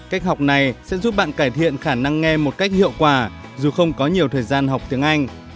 cách học này sẽ giúp bạn cải thiện khả năng nghe một cách hiệu quả dù không có nhiều thời gian học tiếng anh